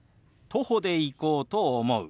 徒歩で行こうと思う。